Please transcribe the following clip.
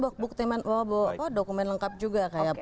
bukti dokumen lengkap juga kayak